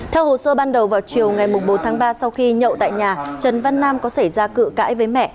theo hồ sơ ban đầu vào chiều ngày bốn tháng ba sau khi nhậu tại nhà trần văn nam có xảy ra cự cãi với mẹ